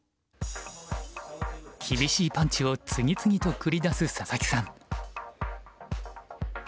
厳しいパンチを次々と繰り出す佐々木さん。